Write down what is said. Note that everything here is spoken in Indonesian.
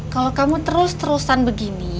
kalau kamu terus terusan begini